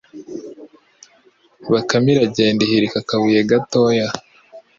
Bakame iragenda ihirika akabuye gatoya